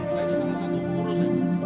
saya ini salah satu pengurus